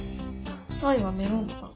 ３位はメロンパン。